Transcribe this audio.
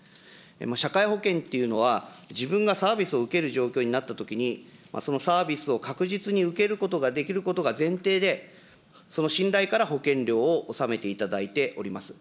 社会保険というのは、自分がサービスを受ける状況になったときに、そのサービスを確実に受けることができることが前提で、その信頼から保険料を納めていただいております。